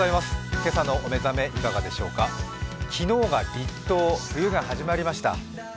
今朝のお目覚め、いかがでしょうか昨日が立冬、冬が始まりました。